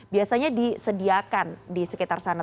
biasanya disediakan di sekitar sana